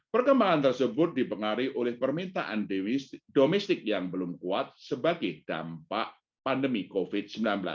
perkembangan tersebut dipengaruhi oleh permintaan domestik yang belum kuat sebagai dampak pandemi covid sembilan belas